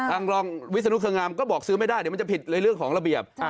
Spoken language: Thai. รองวิศนุเครงามก็บอกซื้อไม่ได้เดี๋ยวมันจะผิดในเรื่องของระเบียบ